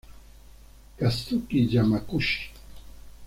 Kazuki Yamaguchi